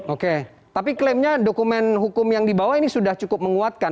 oke tapi klaimnya dokumen hukum yang dibawa ini sudah cukup menguatkan